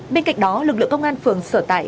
bên cạnh đó lực lượng công an phường sở tại